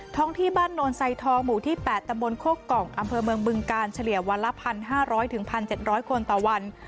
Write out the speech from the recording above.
ท้องที่บ้านโนนไซทองหมู่ที่แปดตำบลโคกกล่องอำเภอเมืองบึงกาลเฉลี่ยวันละพันห้าร้อยถึงพันเจ็ดร้อยคนต่อวัน